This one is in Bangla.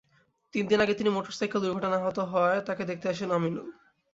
তিন দিন আগে তিনি মোটরসাইকেল দুর্ঘটনায় আহত হওয়ায় তাঁকে দেখতে আসেন আমিনুল।